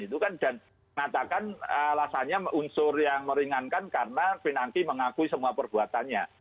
dan katakan alasannya unsur yang meringankan karena pinangki mengakui semua perbuatannya